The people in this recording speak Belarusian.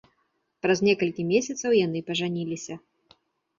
Праз некалькі месяцаў яны пажаніліся.